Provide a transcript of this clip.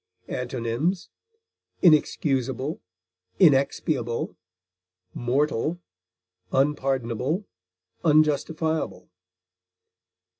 Antonyms: inexcusable, inexpiable, mortal, unpardonable, unjustifiable.